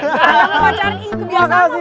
yang mau pacaran itu